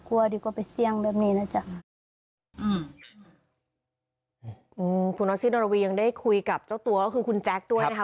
คุณออสซี่ดนตรวียังได้คุยกับเจ้าตัวคือคุณแจ็คด้วยนะคะ